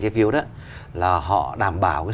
cái phiếu đó là họ đảm bảo